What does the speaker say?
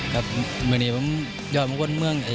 วันเป็นยอดหมู่คนเมืองครับ